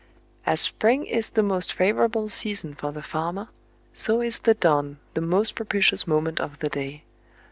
"As spring is the most favorable season for the farmer, so is the dawn the most propitious moment of the day.